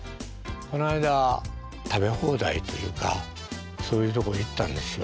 この間食べ放題というかそういうとこへ行ったんですよ